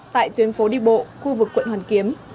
tại tuyến phố đi bộ khu vực quận hoàn kiếm